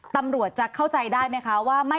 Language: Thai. ตำรวจจะเข้าใจได้หรือไม่ค่ะ